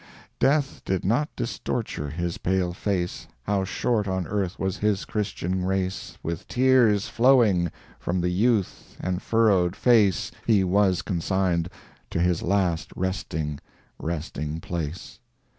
Death did not distorture his pale face, How short on earth was his Christian race With tears flowing from the youth and furrowed face He was consigned to his last resting, resting place.